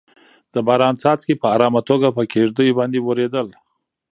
د باران څاڅکي په ارامه توګه په کيږديو باندې ورېدل.